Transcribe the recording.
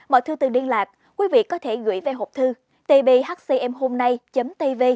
mọi thư từ điên lạc quý vị có thể gửi về hộp thư tbhcmhômnay tvaconggmail com